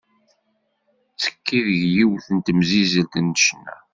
Tettekki deg yiwet n temzizelt n ccna.